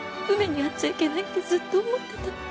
梅に会っちゃいけないってずっと思ってた。